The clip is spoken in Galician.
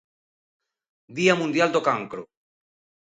Día Mundial do Cancro.